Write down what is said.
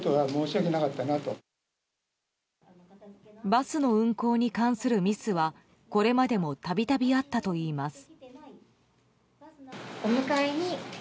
バスの運行に関するミスはこれまでも度々あったといいます。